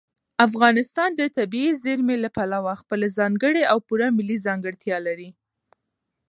افغانستان د طبیعي زیرمې له پلوه خپله ځانګړې او پوره ملي ځانګړتیا لري.